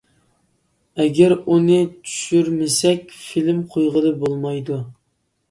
ئەگەر ئۇنى چۈشۈرمىسەك فىلىم قويغىلى بولمايدۇ.